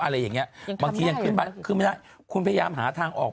อะไรอย่างนี้บางทียังขึ้นไม่ได้คุณพยายามหาทางออก